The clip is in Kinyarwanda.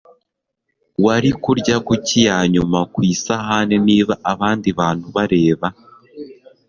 wari kurya kuki ya nyuma ku isahani niba abandi bantu bareba